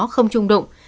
không trung động